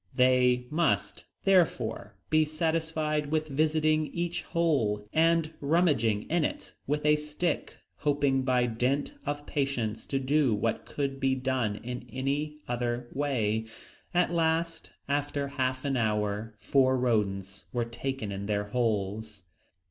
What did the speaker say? They must, therefore, be satisfied with visiting each hole, and rummaging in it with a stick, hoping by dint of patience to do what could not be done in any other way. At last, after half an hour, four rodents were taken in their holes.